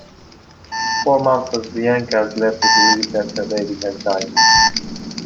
For months, Bianca is led to believe that her baby has died.